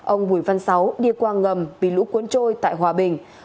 ông bùi văn sáu đi qua ngầm bị lũ cuốn trôi tại hòa bình